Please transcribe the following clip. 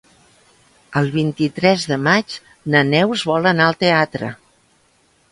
El vint-i-tres de maig na Neus vol anar al teatre.